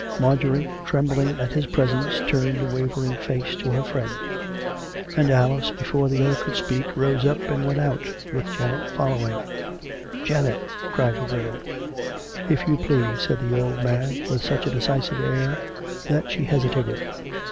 Marjorie, trembling at his presence, turned a wavering 210 COME RACK! COME ROPE! face to her friend; and Alice, before the other could speak, rose up, and went out, with Janet following. " Janet " cried the girl. " If you please," said the old man, with such a decisive air that she hesitated.